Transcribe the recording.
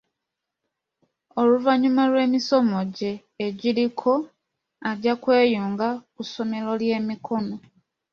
Oluvannyuma lw'emisomo gye egiriko ajja kweyunga ku ssomero ly'emikono.